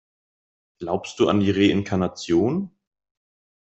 Glaubst du an die Reinkarnation?